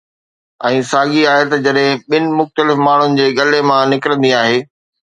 ۽ ساڳي آيت جڏهن ٻن مختلف ماڻهن جي ڳلي مان نڪرندي آهي